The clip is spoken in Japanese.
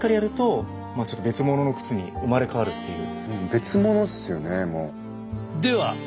別物っすよねもう。